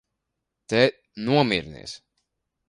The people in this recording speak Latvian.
Tēt, nomierinies!